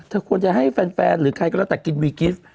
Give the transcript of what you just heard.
ควรจะให้แฟนหรือใครก็แล้วแต่กินวีกิฟต์